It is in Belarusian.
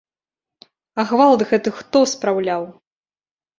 А гвалт гэты хто спраўляў?